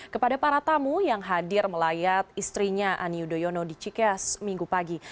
kepada para tamu yang hadir melayat istrinya ani yudhoyono di cikeas minggu pagi